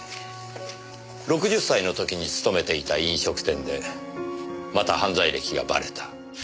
６０歳の時に勤めていた飲食店でまた犯罪歴がばれた。